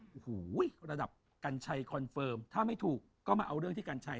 โอ้โหระดับกัญชัยคอนเฟิร์มถ้าไม่ถูกก็มาเอาเรื่องที่กัญชัย